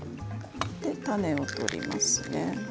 種を取りますね。